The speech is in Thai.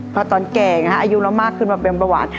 เพราะตอนแก่อายุเรามากขึ้นมาเป็นเบาหวาน